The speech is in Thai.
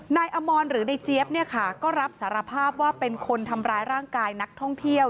นายอมรหรือในเจี๊ยบเนี่ยค่ะก็รับสารภาพว่าเป็นคนทำร้ายร่างกายนักท่องเที่ยว